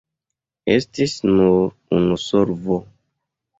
Estis nur unu solvo.